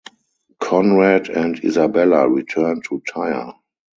Conrad and Isabella returned to Tyre.